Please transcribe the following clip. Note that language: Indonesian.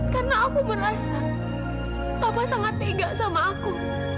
karena aku merasa papa sangat nega sama aku